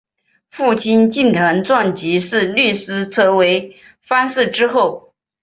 父亲近藤壮吉是律师则为藩士之后。